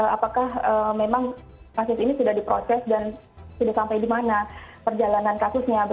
apakah memang kasus ini sudah diproses dan sudah sampai di mana perjalanan kasusnya